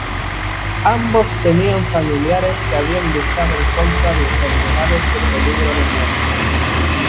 Ambos tenían familiares que habían luchado en contra de enfermedades con peligro de muerte.